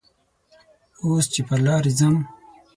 اوس چې پر لارې ځم